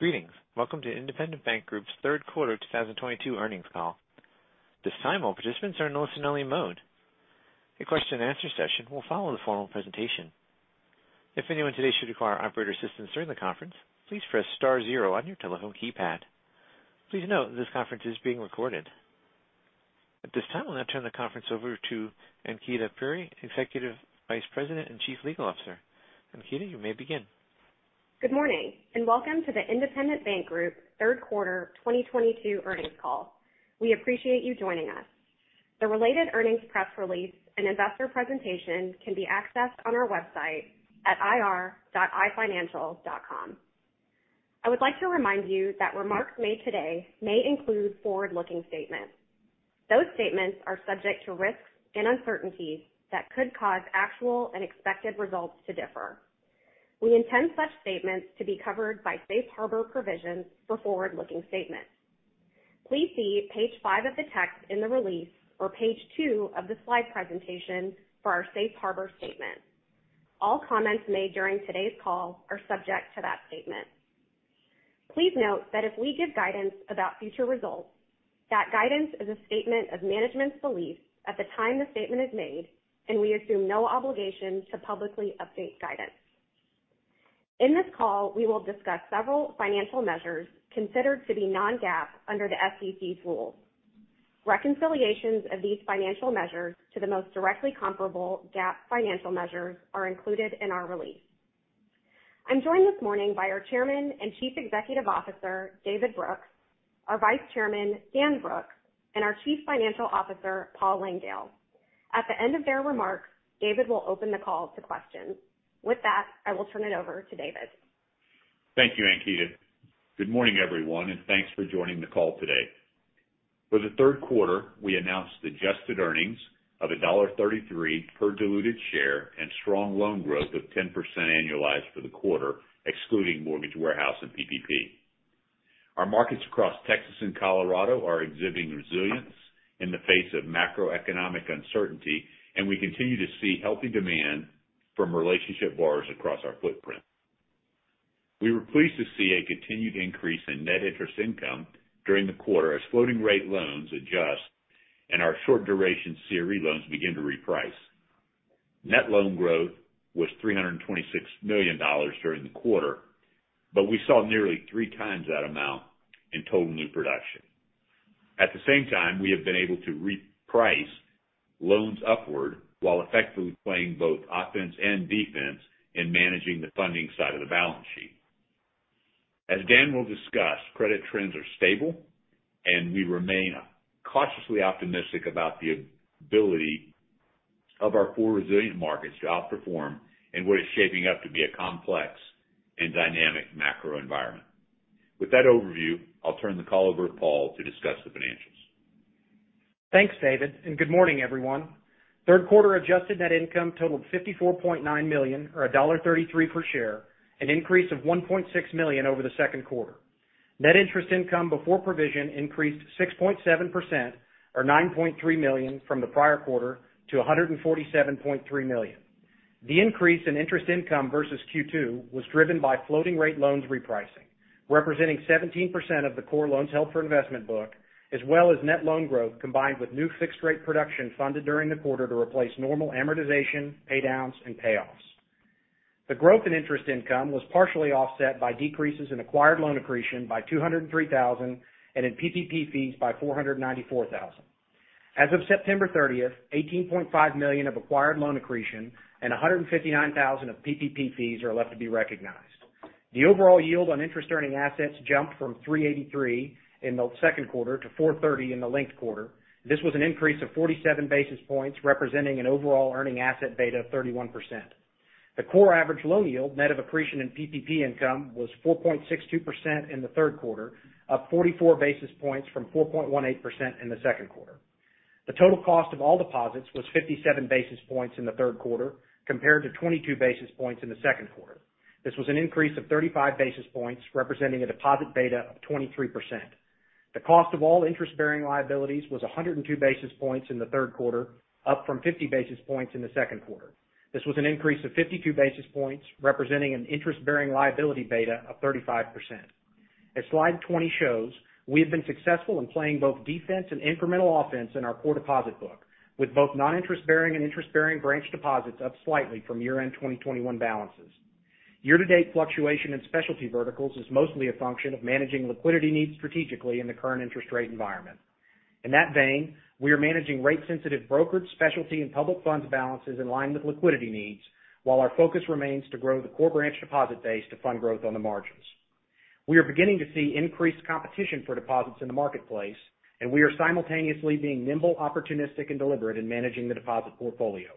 Greetings. Welcome to Independent Bank Group Third Quarter 2022 Earnings Call. This time, all participants are in listen-only mode. A question-and-answer session will follow the formal presentation. If anyone today should require operator assistance during the conference, please press star zero on your telephone keypad. Please note this conference is being recorded. At this time, I'll now turn the conference over to Ankita Puri, Executive Vice President and Chief Legal Officer. Ankita, you may begin. Good morning, and welcome to the Independent Bank Group third quarter 2022 earnings call. We appreciate you joining us. The related earnings press release and investor presentation can be accessed on our website at ir.ifinancial.com. I would like to remind you that remarks made today may include forward-looking statements. Those statements are subject to risks and uncertainties that could cause actual and expected results to differ. We intend such statements to be covered by safe harbor provisions for forward-looking statements. Please see page five of the text in the release or page two of the slide presentation for our safe harbor statement. All comments made during today's call are subject to that statement. Please note that if we give guidance about future results, that guidance is a statement of management's belief at the time the statement is made, and we assume no obligation to publicly update guidance. In this call, we will discuss several financial measures considered to be non-GAAP under the SEC rules. Reconciliations of these financial measures to the most directly comparable GAAP financial measures are included in our release. I'm joined this morning by our Chairman and Chief Executive Officer, David Brooks, our Vice Chairman, Dan Brooks, and our Chief Financial Officer, Paul Langdale. At the end of their remarks, David will open the call to questions. With that, I will turn it over to David. Thank you, Ankita. Good morning, everyone, and thanks for joining the call today. For the third quarter, we announced adjusted earnings of $1.33 per diluted share and strong loan growth of 10% annualized for the quarter, excluding mortgage warehouse and PPP. Our markets across Texas and Colorado are exhibiting resilience in the face of macroeconomic uncertainty, and we continue to see healthy demand from relationship borrowers across our footprint. We were pleased to see a continued increase in net interest income during the quarter as floating rate loans adjust and our short duration CRE loans begin to reprice. Net loan growth was $326 million during the quarter, but we saw nearly 3x that amount in total new production. At the same time, we have been able to reprice loans upward while effectively playing both offense and defense in managing the funding side of the balance sheet. As Dan will discuss, credit trends are stable and we remain cautiously optimistic about the ability of our four resilient markets to outperform in what is shaping up to be a complex and dynamic macro environment. With that overview, I'll turn the call over to Paul to discuss the financials. Thanks, David, and good morning, everyone. Third quarter adjusted net income totaled $54.9 million or $1.33 per share, an increase of $1.6 million over the second quarter. Net interest income before provision increased 6.7% or $9.3 million from the prior quarter to $147.3 million. The increase in interest income versus Q2 was driven by floating rate loans repricing, representing 17% of the core loans held for investment book, as well as net loan growth, combined with new fixed rate production funded during the quarter to replace normal amortization, pay downs and payoffs. The growth in interest income was partially offset by decreases in acquired loan accretion by $203,000 and in PPP fees by $494,000. As of September 30th, $18.5 million of acquired loan accretion and $159,000 of PPP fees are left to be recognized. The overall yield on interest earning assets jumped from 3.83% in the second quarter to 4.30% in the linked quarter. This was an increase of 47 basis points, representing an overall earning asset beta of 31%. The core average loan yield, net of accretion and PPP income, was 4.62% in the third quarter, up 44 basis points from 4.18% in the second quarter. The total cost of all deposits was 57 basis points in the third quarter compared to 22 basis points in the second quarter. This was an increase of 35 basis points, representing a deposit beta of 23%. The cost of all interest-bearing liabilities was 102 basis points in the third quarter, up from 50 basis points in the second quarter. This was an increase of 52 basis points, representing an interest-bearing liability beta of 35%. As slide 20 shows, we have been successful in playing both defense and incremental offense in our core deposit book, with both non-interest bearing and interest-bearing branch deposits up slightly from year-end 2021 balances. Year-to-date fluctuation in specialty verticals is mostly a function of managing liquidity needs strategically in the current interest rate environment. In that vein, we are managing rate sensitive brokerage, specialty and public funds balances in line with liquidity needs, while our focus remains to grow the core branch deposit base to fund growth on the margins. We are beginning to see increased competition for deposits in the marketplace, and we are simultaneously being nimble, opportunistic and deliberate in managing the deposit portfolio.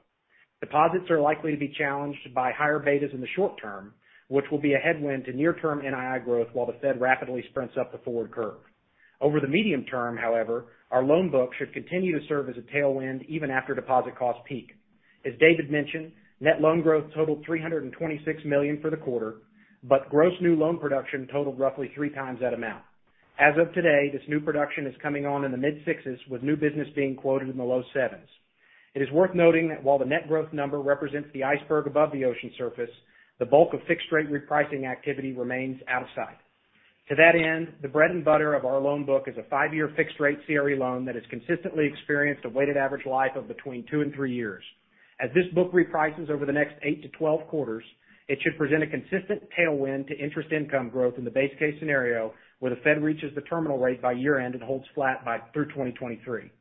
Deposits are likely to be challenged by higher betas in the short term, which will be a headwind to near term NII growth while the Fed rapidly sprints up the forward curve. Over the medium term, however, our loan book should continue to serve as a tailwind even after deposit costs peak. As David mentioned, net loan growth totaled $326 million for the quarter, but gross new loan production totaled roughly three times that amount. As of today, this new production is coming on in the mid-sixes, with new business being quoted in the low sevens. It is worth noting that while the net growth number represents the iceberg above the ocean surface, the bulk of fixed-rate repricing activity remains out of sight. To that end, the bread and butter of our loan book is a five-year fixed-rate CRE loan that has consistently experienced a weighted average life of between two and three years. As this book reprices over the next eight-12 quarters, it should present a consistent tailwind to interest income growth in the base case scenario, where the Fed reaches the terminal rate by year-end and holds flat through 2023.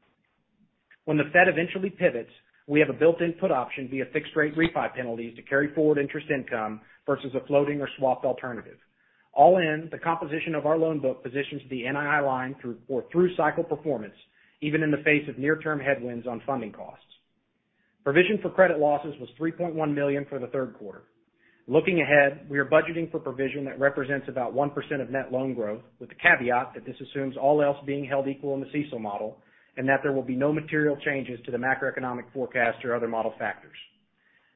When the Fed eventually pivots, we have a built-in put option via fixed-rate refi penalties to carry forward interest income versus a floating or swapped alternative. All in, the composition of our loan book positions the NII line through-cycle performance, even in the face of near-term headwinds on funding costs. Provision for credit losses was $3.1 million for the third quarter. Looking ahead, we are budgeting for provision that represents about 1% of net loan growth, with the caveat that this assumes all else being held equal in the CECL model, and that there will be no material changes to the macroeconomic forecast or other model factors.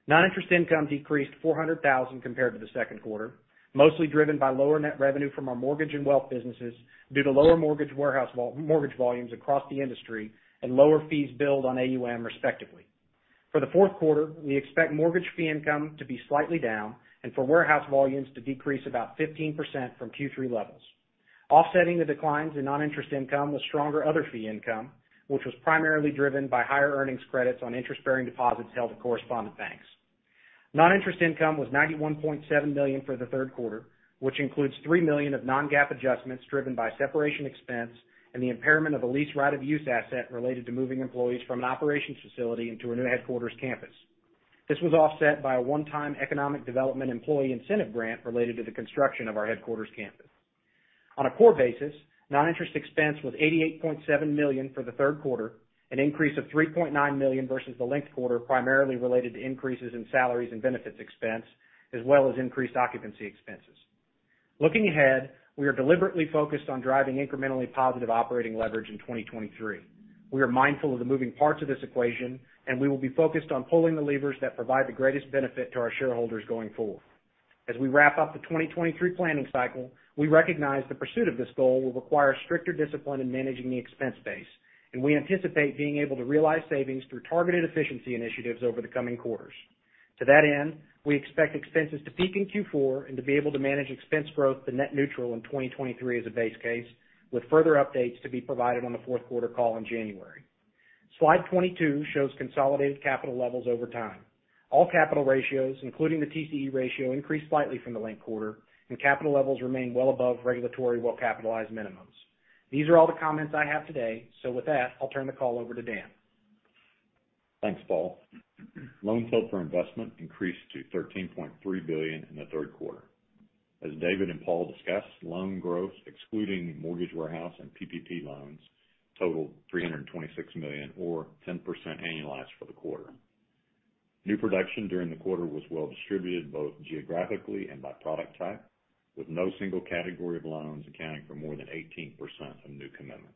Non-interest income decreased $400,000 compared to the second quarter, mostly driven by lower net revenue from our mortgage and wealth businesses due to lower mortgage volumes across the industry and lower fees billed on AUM, respectively. For the fourth quarter, we expect mortgage fee income to be slightly down and for warehouse volumes to decrease about 15% from Q3 levels. Offsetting the declines in non-interest income was stronger other fee income, which was primarily driven by higher earnings credits on interest-bearing deposits held at correspondent banks. Non-interest income was $91.7 million for the third quarter, which includes $3 million of non-GAAP adjustments driven by separation expense and the impairment of a lease right-of-use asset related to moving employees from an operations facility into a new headquarters campus. This was offset by a one-time economic development employee incentive grant related to the construction of our headquarters campus. On a core basis, noninterest expense was $88.7 million for the third quarter, an increase of $3.9 million versus the linked quarter, primarily related to increases in salaries and benefits expense, as well as increased occupancy expenses. Looking ahead, we are deliberately focused on driving incrementally positive operating leverage in 2023. We are mindful of the moving parts of this equation, and we will be focused on pulling the levers that provide the greatest benefit to our shareholders going forward. As we wrap up the 2023 planning cycle, we recognize the pursuit of this goal will require stricter discipline in managing the expense base, and we anticipate being able to realize savings through targeted efficiency initiatives over the coming quarters. To that end, we expect expenses to peak in Q4 and to be able to manage expense growth to net neutral in 2023 as a base case, with further updates to be provided on the fourth quarter call in January. Slide 22 shows consolidated capital levels over time. All capital ratios, including the TCE ratio, increased slightly from the linked quarter, and capital levels remain well above regulatory well-capitalized minimums. These are all the comments I have today. With that, I'll turn the call over to Dan. Thanks, Paul. Loans held for investment increased to $13.3 billion in the third quarter. As David and Paul discussed, loan growth, excluding mortgage warehouse and PPP loans, totaled $326 million or 10% annualized for the quarter. New production during the quarter was well distributed, both geographically and by product type, with no single category of loans accounting for more than 18% of new commitments.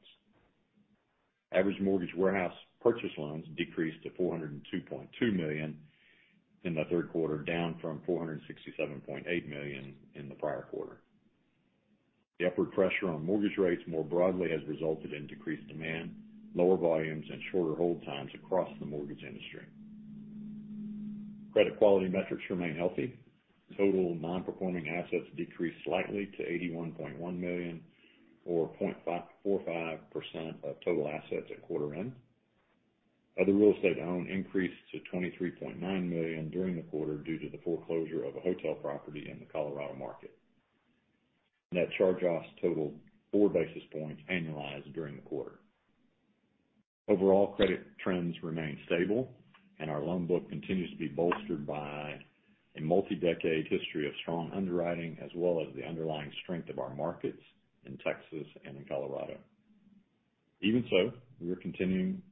Average mortgage warehouse purchase loans decreased to $402.2 million in the third quarter, down from $467.8 million in the prior quarter. The upward pressure on mortgage rates more broadly has resulted in decreased demand, lower volumes, and shorter hold times across the mortgage industry. Credit quality metrics remain healthy. Total non-performing assets decreased slightly to $81.1 million or 0.54% of total assets at quarter end. Other real estate owned increased to $23.9 million during the quarter due to the foreclosure of a hotel property in the Colorado market. Net charge-offs totaled 4 basis points annualized during the quarter. Overall, credit trends remain stable, and our loan book continues to be bolstered by a multi-decade history of strong underwriting, as well as the underlying strength of our markets in Texas and in Colorado. Even so, we are continually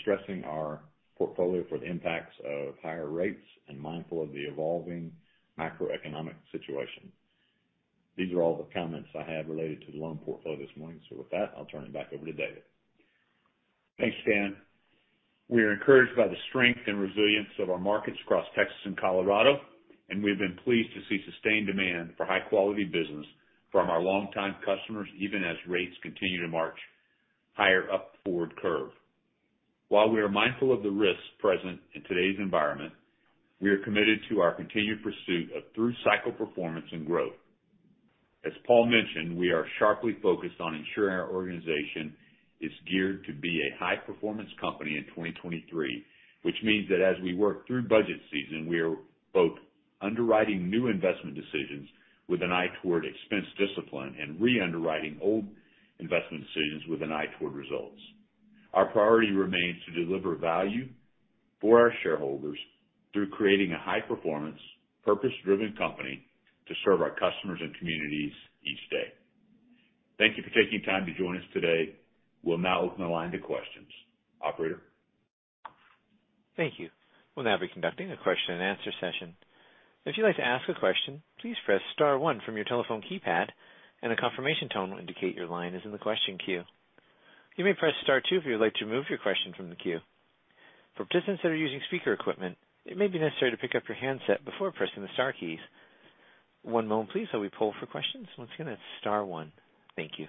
stressing our portfolio for the impacts of higher rates and mindful of the evolving macroeconomic situation. These are all the comments I have related to the loan portfolio this morning. With that, I'll turn it back over to David. Thanks, Dan. We are encouraged by the strength and resilience of our markets across Texas and Colorado, and we've been pleased to see sustained demand for high-quality business from our longtime customers, even as rates continue to march higher up the forward curve. While we are mindful of the risks present in today's environment, we are committed to our continued pursuit of through-cycle performance and growth. As Paul mentioned, we are sharply focused on ensuring our organization is geared to be a high-performance company in 2023, which means that as we work through budget season, we are both underwriting new investment decisions with an eye toward expense discipline and re-underwriting old investment decisions with an eye toward results. Our priority remains to deliver value for our shareholders through creating a high performance, purpose-driven company to serve our customers and communities each day. Thank you for taking time to join us today. We'll now open the line to questions. Operator? Thank you. We'll now be conducting a question and answer session. If you'd like to ask a question, please press star one from your telephone keypad and a confirmation tone will indicate your line is in the question queue. You may press star two if you would like to remove your question from the queue. For participants that are using speaker equipment, it may be necessary to pick up your handset before pressing the star keys. One moment please while we poll for questions. Once again, it's star one. Thank you.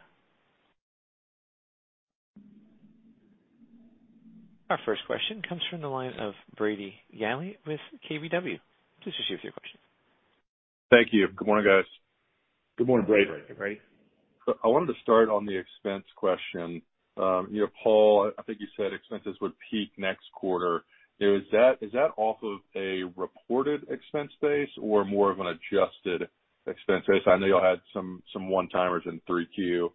Our first question comes from the line of Brady Gailey with KBW. Please proceed with your question. Thank you. Good morning, guys. Good morning, Brady. Good morning, Brady. I wanted to start on the expense question. You know, Paul, I think you said expenses would peak next quarter. Is that off of a reported expense base or more of an adjusted expense base? I know you all had some one-timers in Q3.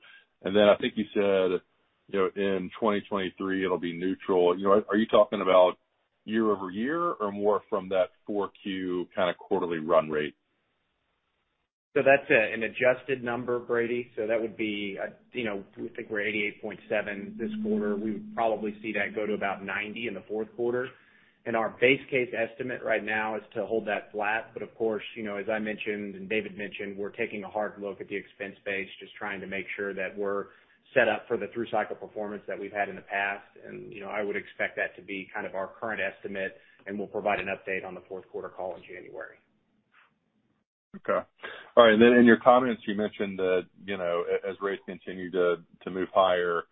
I think you said, you know, in 2023 it'll be neutral. You know, are you talking about year-over-year or more from that Q4 kind of quarterly run rate? That's an adjusted number, Brady. That would be, you know, we think we're 88.7 this quarter. We would probably see that go to about 90 in the fourth quarter. Our base case estimate right now is to hold that flat. Of course, you know, as I mentioned and David mentioned, we're taking a hard look at the expense base, just trying to make sure that we're set up for the through cycle performance that we've had in the past. You know, I would expect that to be kind of our current estimate, and we'll provide an update on the fourth quarter call in January. Okay. All right. In your comments, you mentioned that, you know, as rates continue to move higher,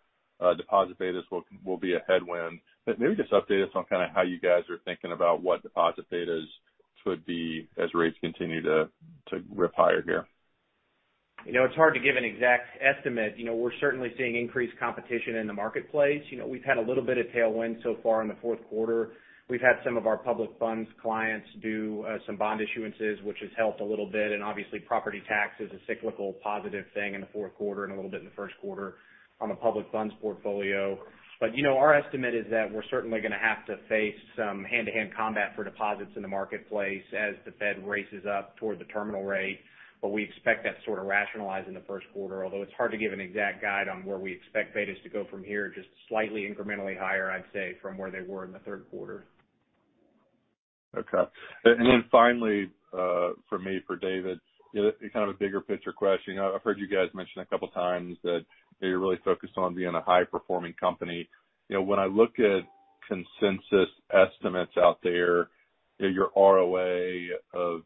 deposit betas will be a headwind. But maybe just update us on kind of how you guys are thinking about what deposit betas would be as rates continue to rip higher here. You know, it's hard to give an exact estimate. You know, we're certainly seeing increased competition in the marketplace. You know, we've had a little bit of tailwind so far in the fourth quarter. We've had some of our public funds clients do some bond issuances, which has helped a little bit. Obviously, property tax is a cyclical positive thing in the fourth quarter and a little bit in the first quarter on the public funds portfolio. You know, our estimate is that we're certainly going to have to face some hand-to-hand combat for deposits in the marketplace as the Fed raises up toward the terminal rate. We expect that to sort of rationalize in the first quarter, although it's hard to give an exact guide on where we expect betas to go from here. Just slightly incrementally higher, I'd say, from where they were in the third quarter. Okay. Finally, for me, for David, kind of a bigger picture question. You know, I've heard you guys mention a couple times that you're really focused on being a high performing company. You know, when I look at consensus estimates out there, your ROA of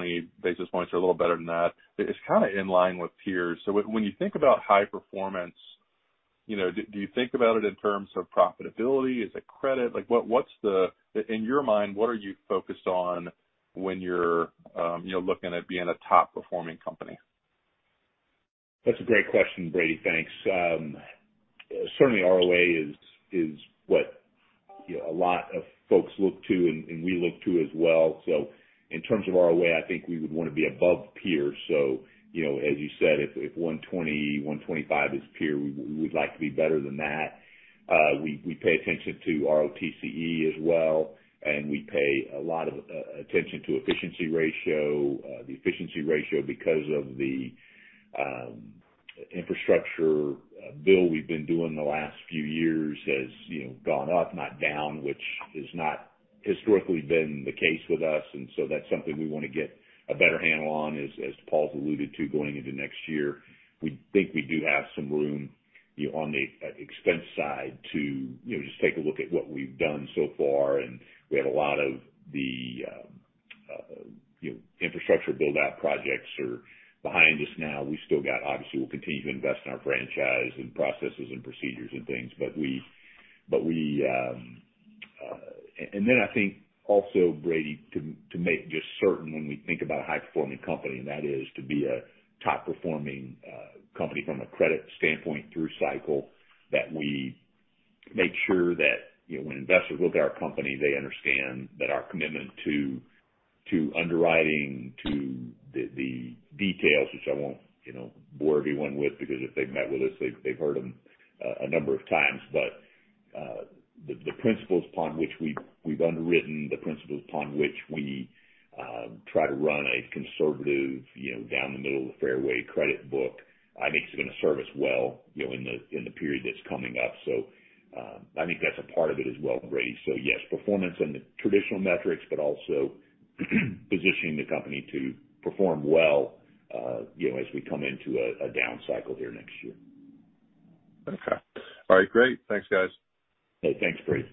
120 basis points or a little better than that, it's kind of in line with peers. When you think about high performance, you know, do you think about it in terms of profitability? Is it credit? Like, what's in your mind, what are you focused on when you're looking at being a top performing company? That's a great question, Brady. Thanks. Certainly ROA is what, you know, a lot of folks look to and we look to as well. In terms of ROA, I think we would want to be above peer. You know, as you said, if 1.20%-1.25% is peer, we would like to be better than that. We pay attention to ROTCE as well, and we pay a lot of attention to efficiency ratio. The efficiency ratio because of the infrastructure bill we've been doing the last few years has, you know, gone up, not down, which has not historically been the case with us. That's something we want to get a better handle on, as Paul's alluded to going into next year. We think we do have some room, you know, on the expense side to, you know, just take a look at what we've done so far. We had a lot of the infrastructure build out projects are behind us now. We still got, obviously, we'll continue to invest in our franchise and processes and procedures and things, but we.... I think also, Brady, to make just certain when we think about a high performing company, and that is to be a top performing company from a credit standpoint through cycle, that we make sure that, you know, when investors look at our company, they understand that our commitment to underwriting, to the details, which I won't, you know, bore everyone with, because if they've met with us, they've heard them a number of times. The principles upon which we've underwritten, the principles upon which we try to run a conservative, you know, down the middle of the fairway credit book, I think is going to serve us well, you know, in the period that's coming up. I think that's a part of it as well, Brady. Yes, performance and the traditional metrics, but also positioning the company to perform well, you know, as we come into a down cycle here next year. Okay. All right, great. Thanks, guys. Hey, thanks, Brady.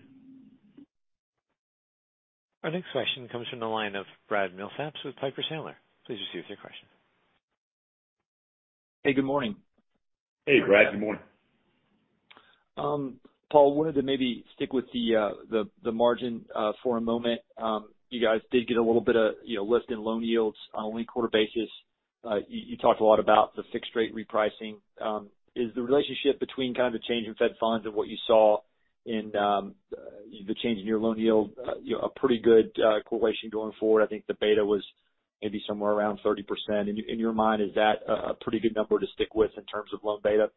Our next question comes from the line of Brad Milsaps with Piper Sandler. Please proceed with your question. Hey, good morning. Hey, Brad. Good morning. Paul, wanted to maybe stick with the margin for a moment. You guys did get a little bit of, you know, lift in loan yields on a linked quarter basis. You talked a lot about the fixed rate repricing. Is the relationship between kind of the change in Fed funds and what you saw in the change in your loan yield, you know, a pretty good correlation going forward? I think the beta was maybe somewhere around 30%. In your mind, is that a pretty good number to stick with in terms of loan beta?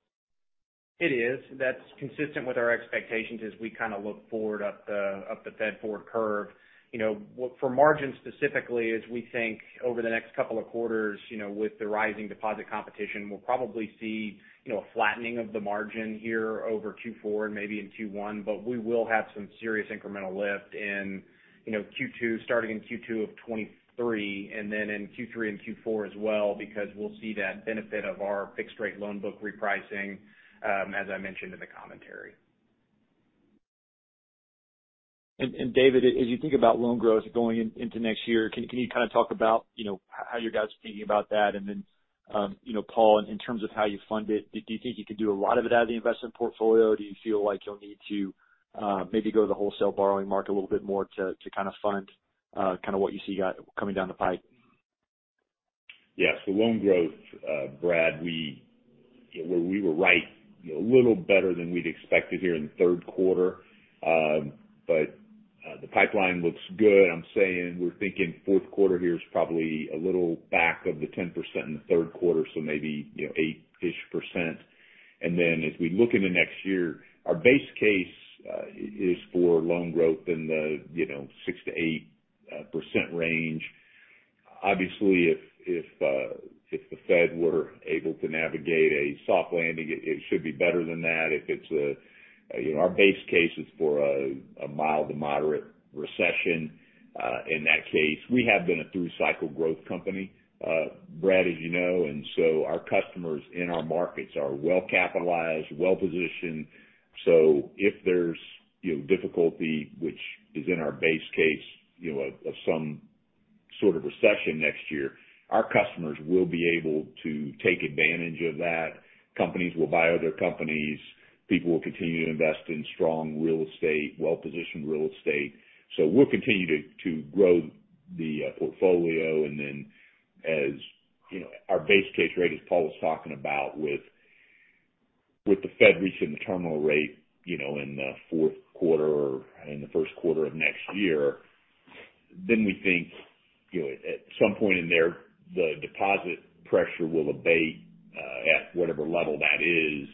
It is. That's consistent with our expectations as we kind of look forward up the Fed forward curve. You know, what for margin specifically is we think over the next couple of quarters, you know, with the rising deposit competition, we'll probably see, you know, a flattening of the margin here over Q4 and maybe in Q1. We will have some serious incremental lift in, you know, Q2, starting in Q2 of 2023 and then in Q3 and Q4 as well because we'll see that benefit of our fixed rate loan book repricing, as I mentioned in the commentary. David, as you think about loan growth going into next year, can you kind of talk about how your guys are thinking about that? Paul, in terms of how you fund it, do you think you can do a lot of it out of the investment portfolio? Do you feel like you'll need to maybe go to the wholesale borrowing market a little bit more to kind of fund kind of what you see coming down the pipe? Yeah. Loan growth, Brad, we were right, a little better than we'd expected here in the third quarter. But the pipeline looks good. I'm saying we're thinking fourth quarter here is probably a little back off the 10% in the third quarter, so maybe, you know, 8%. As we look into next year, our base case is for loan growth in the, you know, 6%-8% range. Obviously, if the Fed were able to navigate a soft landing, it should be better than that. If it's a mild to moderate recession. In that case, we have been a through-cycle growth company, Brad, as you know, and so our customers in our markets are well capitalized, well-positioned. If there's, you know, difficulty, which is in our base case, you know, of some sort of recession next year, our customers will be able to take advantage of that. Companies will buy other companies. People will continue to invest in strong real estate, well-positioned real estate. We'll continue to grow the portfolio. Then as, you know, our base case rate, as Paul was talking about, with the Fed reaching the terminal rate, you know, in the fourth quarter or in the first quarter of next year, then we think, you know, at some point in there, the deposit pressure will abate at whatever level that is.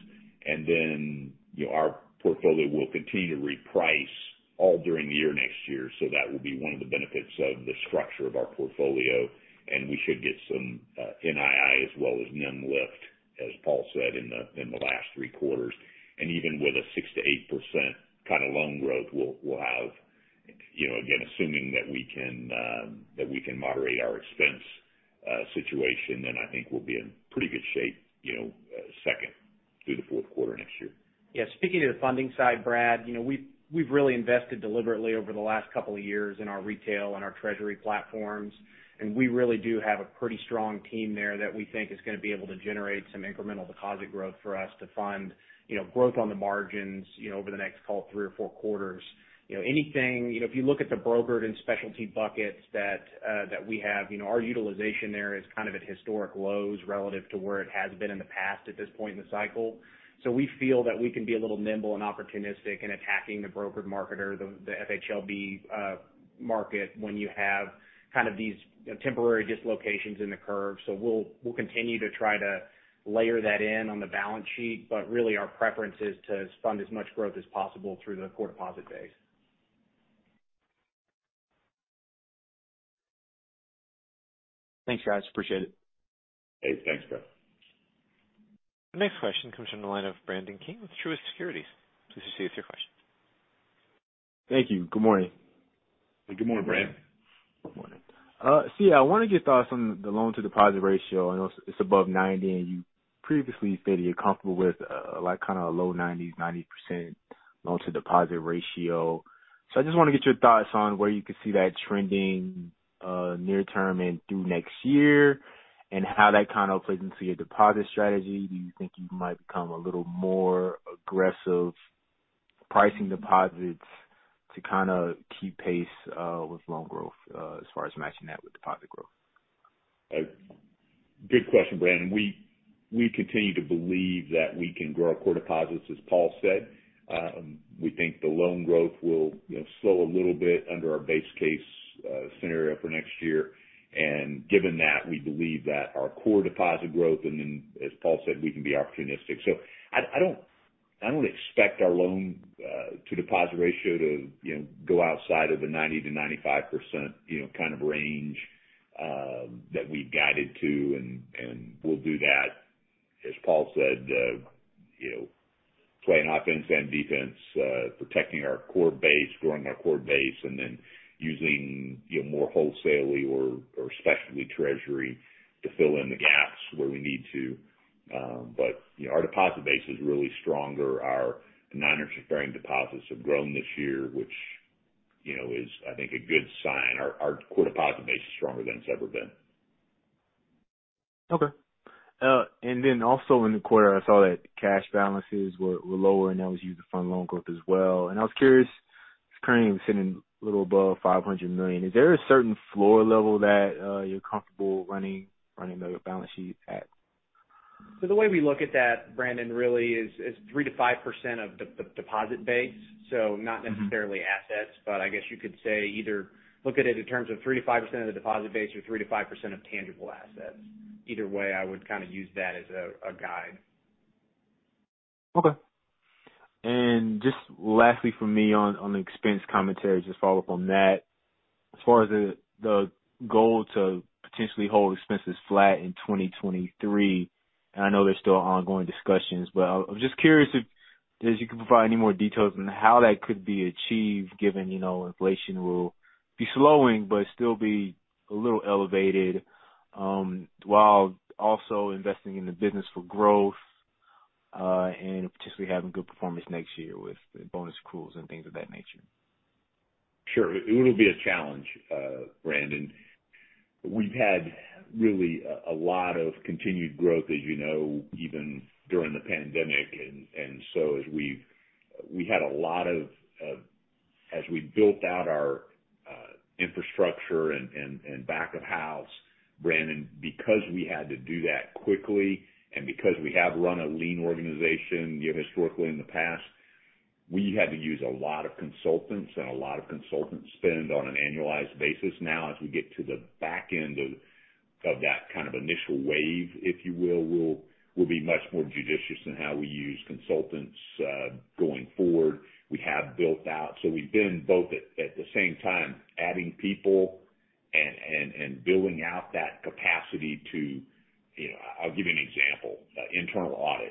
Then, you know, our portfolio will continue to reprice all during the year next year. That will be one of the benefits of the structure of our portfolio, and we should get some NII as well as NIM lift, as Paul said, in the last three quarters. Even with a 6%-8% kind of loan growth, we'll have. You know, again, assuming that we can moderate our expense situation, then I think we'll be in pretty good shape, you know, second through the fourth quarter next year. Yeah. Speaking to the funding side, Brad, you know, we've really invested deliberately over the last couple of years in our retail and our treasury platforms, and we really do have a pretty strong team there that we think is gonna be able to generate some incremental deposit growth for us to fund, you know, growth on the margins, you know, over the next, call it, three or four quarters. You know, if you look at the brokered and specialty buckets that we have, you know, our utilization there is kind of at historic lows relative to where it has been in the past at this point in the cycle. So we feel that we can be a little nimble and opportunistic in attacking the brokered market or the FHLB market when you have kind of these temporary dislocations in the curve. We'll continue to try to layer that in on the balance sheet, but really our preference is to fund as much growth as possible through the core deposit base. Thanks, guys. Appreciate it. Hey, thanks, Brad. The next question comes from the line of Brandon King with Truist Securities. Please proceed with your question. Thank you. Good morning. Good morning, Brandon. Good morning. Yeah, I want to get your thoughts on the loan to deposit ratio. I know it's above 90, and you previously stated you're comfortable with, like kind of low 90s, 90% loan to deposit ratio. I just want to get your thoughts on where you could see that trending, near term and through next year, and how that kind of plays into your deposit strategy. Do you think you might become a little more aggressive pricing deposits to kind of keep pace, with loan growth, as far as matching that with deposit growth? Good question, Brandon. We continue to believe that we can grow our core deposits, as Paul said. We think the loan growth will, you know, slow a little bit under our base case scenario for next year. Given that, we believe that our core deposit growth and then, as Paul said, we can be opportunistic. I don't expect our loan to deposit ratio to, you know, go outside of the 90%-95%, you know, kind of range that we've guided to. We'll do that, as Paul said, you know, playing offense and defense, protecting our core base, growing our core base, and then using, you know, more wholesale or specialty treasury to fill in the gaps where we need to. You know, our deposit base is really stronger. Our non-interest bearing deposits have grown this year, which, you know, is I think a good sign. Our core deposit base is stronger than it's ever been. Okay. Also in the quarter, I saw that cash balances were lower, and that was used to fund loan growth as well. I was curious. It's currently sitting a little above $500 million. Is there a certain floor level that you're comfortable running the balance sheet at? The way we look at that, Brandon, really is 3%-5% of deposit base. Not necessarily assets. Mm-hmm. I guess you could say either look at it in terms of 3%-5% of the deposit base or 3%-5% of tangible assets. Either way, I would kind of use that as a guide. Okay. Just lastly from me on the expense commentary, just follow up on that. As far as the goal to potentially hold expenses flat in 2023, and I know there's still ongoing discussions, but I was just curious if you could provide any more details on how that could be achieved, given you know, inflation will be slowing but still be a little elevated, while also investing in the business for growth. Particularly having good performance next year with the bonus accruals and things of that nature. Sure. It will be a challenge, Brandon. We've had really a lot of continued growth, as you know, even during the pandemic. We had a lot of. As we built out our infrastructure and back of house, Brandon, because we had to do that quickly and because we have run a lean organization, you know, historically in the past, we had to use a lot of consultants and a lot of consultant spend on an annualized basis. Now, as we get to the back end of that kind of initial wave, if you will, we'll be much more judicious in how we use consultants going forward. We have built out. We've been both at the same time adding people and building out that capacity to. You know, I'll give you an example. Internal audit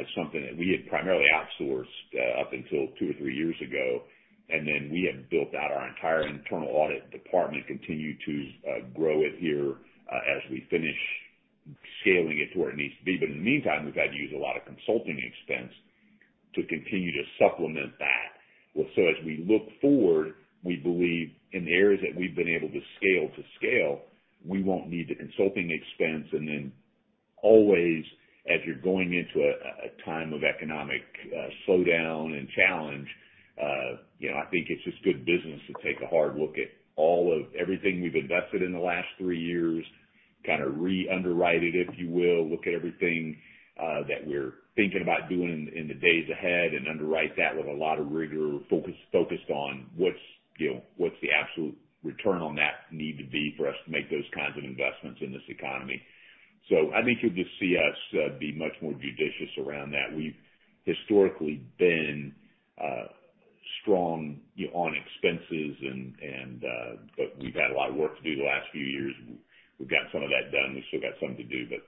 is something that we had primarily outsourced up until two or three years ago, and then we have built out our entire internal audit department, continue to grow it here as we finish scaling it to where it needs to be. In the meantime, we've had to use a lot of consulting expense to continue to supplement that. As we look forward, we believe in the areas that we've been able to scale, we won't need the consulting expense. Always, as you're going into a time of economic slowdown and challenge, you know, I think it's just good business to take a hard look at all of everything we've invested in the last three years, kind of re-underwrite it, if you will. Look at everything that we're thinking about doing in the days ahead and underwrite that with a lot of rigor focused on what's, you know, what's the absolute return on that need to be for us to make those kinds of investments in this economy. I think you'll just see us be much more judicious around that. We've historically been strong, you know, on expenses and but we've had a lot of work to do the last few years. We've gotten some of that done. We've still got some to do, but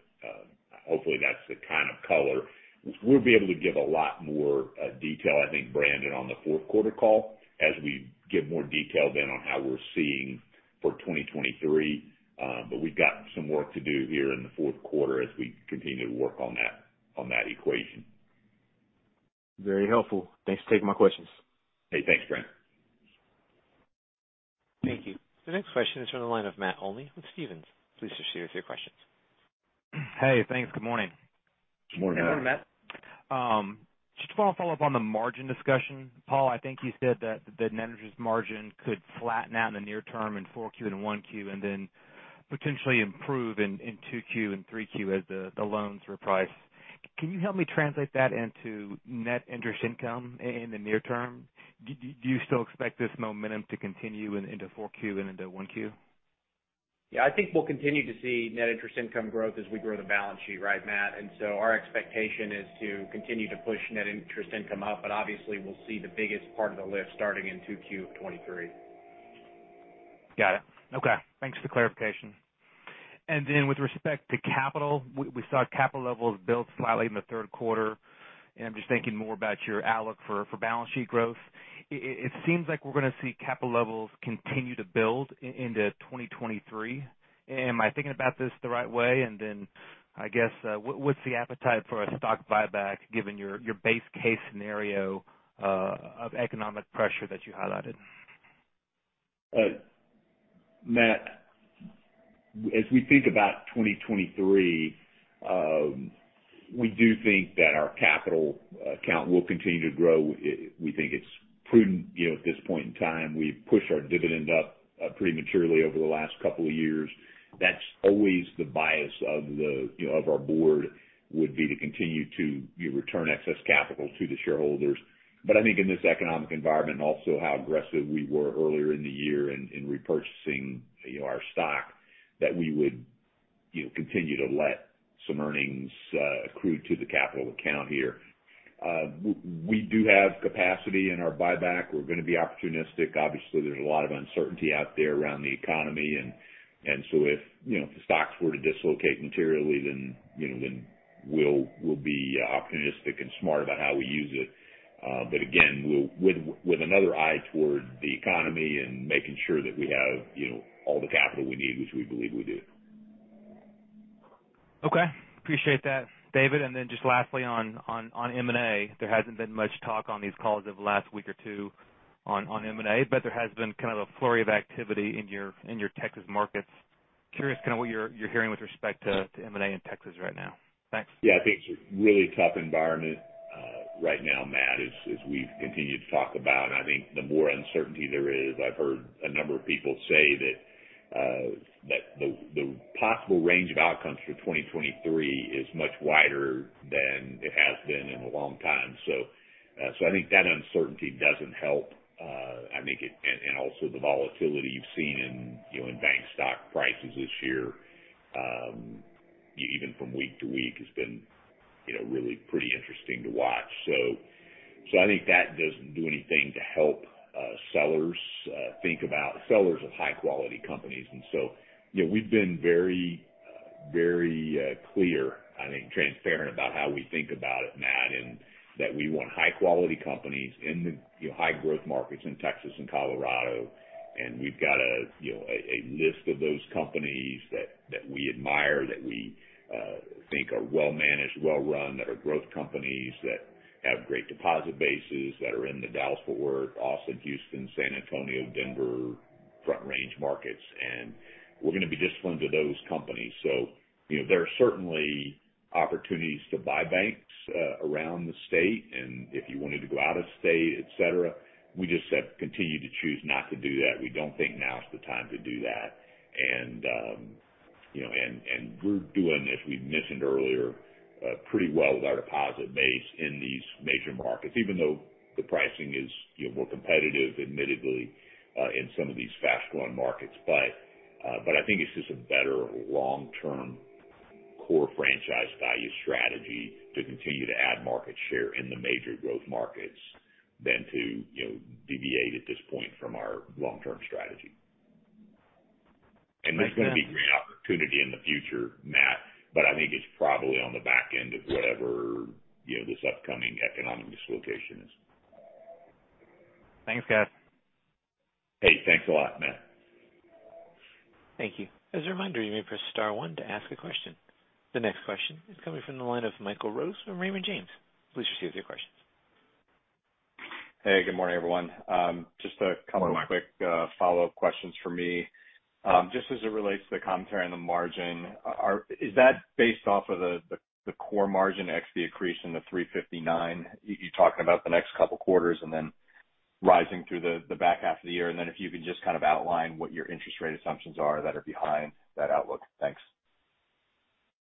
hopefully, that's the kind of color. We'll be able to give a lot more detail, I think, Brandon, on the fourth quarter call as we get more detail then on how we're seeing for 2023. We've got some work to do here in the fourth quarter as we continue to work on that equation. Very helpful. Thanks for taking my questions. Hey, thanks, Brandon. Thank you. The next question is from the line of Matt Olney with Stephens. Please proceed with your questions. Hey, thanks. Good morning. Good morning, Matt. Good morning, Matt. Just want to follow up on the margin discussion. Paul, I think you said that the net interest margin could flatten out in the near term in Q4 and Q1, and then potentially improve in Q2 and Q3 as the loans reprice. Can you help me translate that into net interest income in the near term? Do you still expect this momentum to continue into Q4 and into Q1? Yeah, I think we'll continue to see net interest income growth as we grow the balance sheet, right, Matt? Our expectation is to continue to push net interest income up, but obviously we'll see the biggest part of the lift starting in Q2 2023. Got it. Okay. Thanks for the clarification. With respect to capital, we saw capital levels build slightly in the third quarter. I'm just thinking more about your outlook for balance sheet growth. It seems like we're going to see capital levels continue to build into 2023. Am I thinking about this the right way? I guess what's the appetite for a stock buyback given your base case scenario of economic pressure that you highlighted? Matt, as we think about 2023, we do think that our capital account will continue to grow. We think it's prudent, you know, at this point in time. We've pushed our dividend up prematurely over the last couple of years. That's always the bias of the, you know, of our board, would be to continue to return excess capital to the shareholders. I think in this economic environment, and also how aggressive we were earlier in the year in repurchasing, you know, our stock, that we would, you know, continue to let some earnings accrue to the capital account here. We do have capacity in our buyback. We're going to be opportunistic. Obviously, there's a lot of uncertainty out there around the economy. If, you know, if the stocks were to dislocate materially, then, you know, then we'll be opportunistic and smart about how we use it. But again, with another eye toward the economy and making sure that we have, you know, all the capital we need, which we believe we do. Okay. Appreciate that, David. Then just lastly on M&A. There hasn't been much talk on these calls of the last week or two on M&A, but there has been kind of a flurry of activity in your Texas markets. Curious kind of what you're hearing with respect to M&A in Texas right now. Thanks. Yeah. I think it's a really tough environment right now, Matt, as we've continued to talk about. I think the more uncertainty there is. I've heard a number of people say that the possible range of outcomes for 2023 is much wider than it has been in a long time. I think that uncertainty doesn't help. I think also the volatility you've seen in, you know, in bank stock prices this year, even from week to week has been, you know, really pretty interesting to watch. I think that doesn't do anything to help sellers of high quality companies. You know, we've been very clear, I think, transparent about how we think about it, Matt. That we want high quality companies in the, you know, high growth markets in Texas and Colorado. We've got a list of those companies that we admire, that we think are well-managed, well-run, that are growth companies, that have great deposit bases, that are in the Dallas-Fort Worth, Austin, Houston, San Antonio, Denver, Front Range markets. We're gonna be disciplined to those companies. You know, there are certainly opportunities to buy banks around the state, and if you wanted to go out of state, et cetera, we just have continued to choose not to do that. We don't think now is the time to do that. We're doing, as we've mentioned earlier, pretty well with our deposit base in these major markets, even though the pricing is, you know, more competitive, admittedly, in some of these fast-growing markets. I think it's just a better long-term core franchise value strategy to continue to add market share in the major growth markets than to, you know, deviate at this point from our long-term strategy. Thanks, guys. There's gonna be great opportunity in the future, Matt, but I think it's probably on the back end of whatever, you know, this upcoming economic dislocation is. Thanks, guys. Hey, thanks a lot, Matt. Thank you. As a reminder, you may press star one to ask a question. The next question is coming from the line of Michael Rose from Raymond James. Please proceed with your questions. Hey, good morning, everyone. Just a couple Good morning, Michael. Couple of quick follow-up questions from me. Just as it relates to the commentary on the margin, is that based off of the core margin ex the accretion of 359? You're talking about the next couple quarters and then rising through the back half of the year. If you can just kind of outline what your interest rate assumptions are that are behind that outlook. Thanks.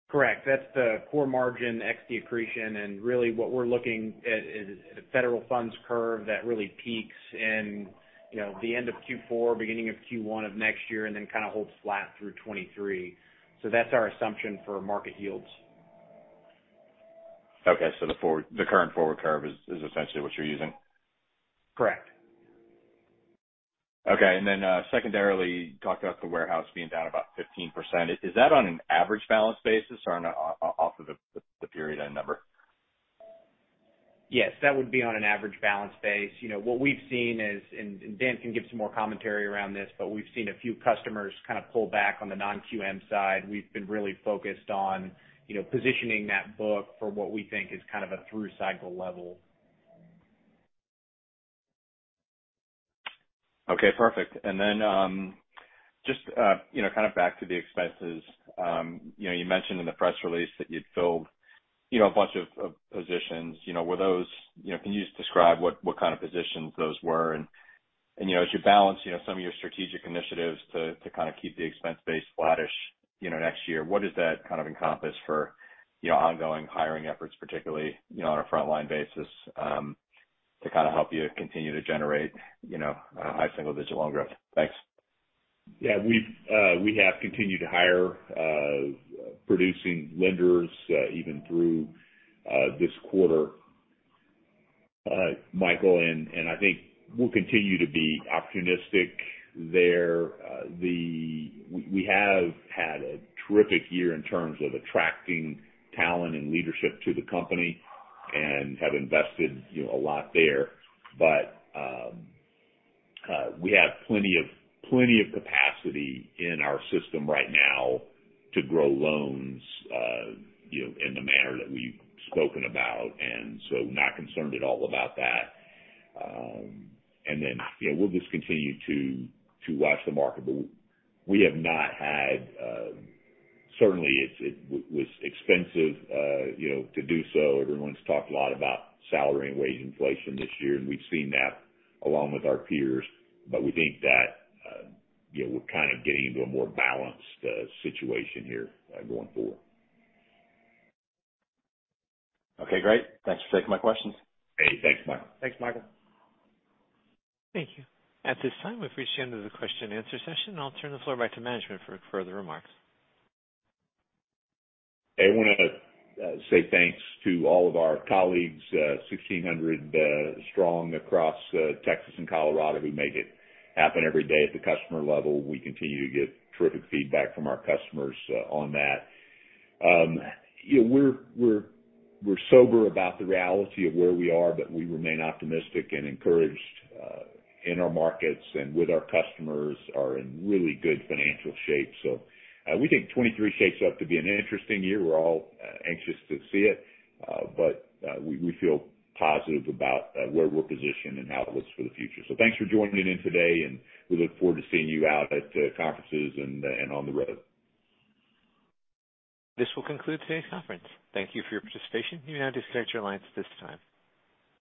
Correct. That's the core margin ex-accretion. Really what we're looking at is a federal funds curve that really peaks in, you know, the end of Q4, beginning of Q1 of next year, and then kind of holds flat through 2023. That's our assumption for market yields. The current forward curve is essentially what you're using? Correct. Secondarily, you talked about the warehouse being down about 15%. Is that on an average balance basis or off of the period-end number? Yes, that would be on an average balance basis. You know, what we've seen is, and Dan can give some more commentary around this, but we've seen a few customers kind of pull back on the non-QM side. We've been really focused on, you know, positioning that book for what we think is kind of a through cycle level. Okay, perfect. Just, you know, kind of back to the expenses. You know, you mentioned in the press release that you'd filled, you know, a bunch of positions. You know, can you just describe what kind of positions those were? You know, as you balance, you know, some of your strategic initiatives to kind of keep the expense base flattish, you know, next year, what does that kind of encompass for ongoing hiring efforts, particularly, you know, on a frontline basis to kind of help you continue to generate, you know, high single digit loan growth? Thanks. Yeah. We have continued to hire producing lenders even through this quarter, Michael, and I think we'll continue to be opportunistic there. We have had a terrific year in terms of attracting talent and leadership to the company and have invested, you know, a lot there. We have plenty of capacity in our system right now to grow loans, you know, in the manner that we've spoken about, and so not concerned at all about that. You know, we'll just continue to watch the market. We have not had. Certainly it was expensive, you know, to do so. Everyone's talked a lot about salary and wage inflation this year, and we've seen that along with our peers. We think that, you know, we're kind of getting into a more balanced situation here, going forward. Okay, great. Thanks for taking my questions. Hey, thanks, Michael. Thanks, Michael. Thank you. At this time, we've reached the end of the question and answer session. I'll turn the floor back to management for further remarks. I wanna say thanks to all of our colleagues, 1,600 strong across Texas and Colorado, who make it happen every day at the customer level. We continue to get terrific feedback from our customers on that. You know, we're sober about the reality of where we are, but we remain optimistic and encouraged in our markets and with our customers are in really good financial shape. We think 2023 shapes up to be an interesting year. We're all anxious to see it. We feel positive about where we're positioned and how it looks for the future. Thanks for joining in today, and we look forward to seeing you out at conferences and on the road. This will conclude today's conference. Thank you for your participation. You may now disconnect your lines at this time.